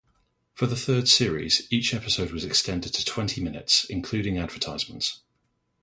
For the third series, each episode was extended to twenty minutes, including advertisements.